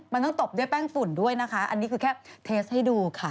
มันต้องตบด้วยแป้งฝุ่นด้วยนะคะอันนี้คือแค่เทสให้ดูค่ะ